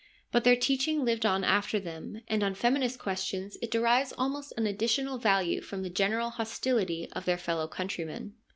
But their teach ing lived on after them, and on feminist questions it derives almost an additional value from the general hostility of their fellow countrymen.